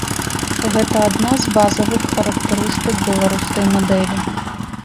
Гэта адна з базавых характарыстык беларускай мадэлі.